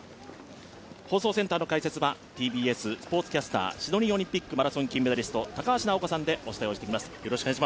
放送センターの開設はＴＢＳスポーツキャスター、シドニーオリンピック金メダリスト、高橋尚子さんでお送りします。